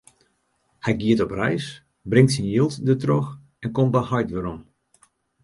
Hy giet op reis, bringt syn jild dertroch en komt by heit werom.